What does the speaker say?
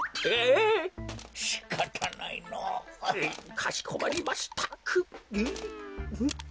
かしこまりました。